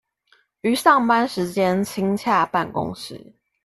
於上班時間親洽辦公室